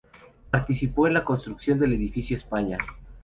Participó en la construcción del Edificio España.